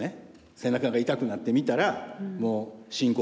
背中が痛くなって診たらもう進行